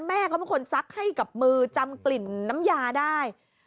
แม่เขาเป็นคนซักให้กับมือจำกลิ่นน้ำยาได้